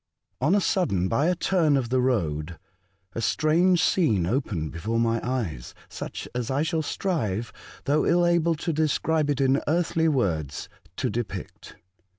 On a sudden, by a turn of the road, a strange scene opened before my eyes, such as I shall strive, though ill able to describe it in earthly words, to depict.